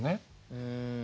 うん。